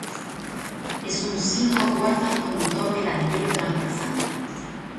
Es un cinco puertas con motor delantero transversal.